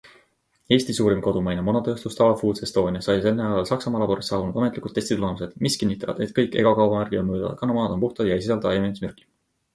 Eesti suurim kodumaine munatööstus DAVA Foods Estonia sai sel nädalal Saksamaa laborist saabunud ametlikud testitulemused, mis kinnitavad, et kõik Eggo-kaubamärgi all müüdavad kanamunad on puhtad ja ei sisalda taimekaitsemürki.